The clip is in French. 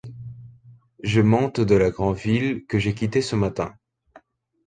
Je monte de la grande ville que j’ai quittée ce matin.